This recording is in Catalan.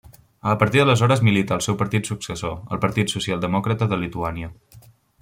A partir d'aleshores milita al seu partit successor, el Partit Socialdemòcrata de Lituània.